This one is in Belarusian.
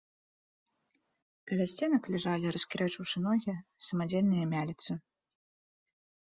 Каля сценак ляжалі, раскірэчыўшы ногі, самадзельныя мяліцы.